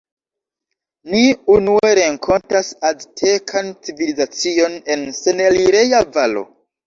Ni unue renkontas aztekan civilizacion en senelireja valo.